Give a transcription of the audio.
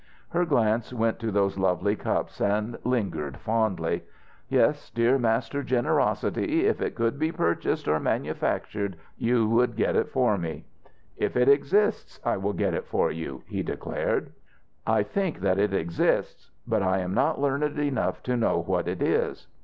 Her glance went to those lovely cups and lingered fondly. "Yes, dear Master Generosity, if it could be purchased or manufactured, you would get it for me " "If it exists I will get it for you," he declared. "I think that it exists. But I am not learned enough to know what it is.